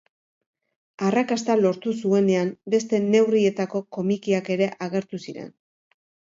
Arrakasta lortu zuenean beste neurrietako komikiak ere agertu ziren.